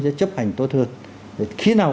sẽ chấp hành tốt hơn khi nào